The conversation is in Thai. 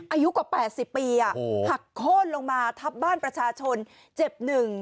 อายุกว่า๘๐ปีหักโค้นลงมาทับบ้านประชาชนเจ็บหนึ่ง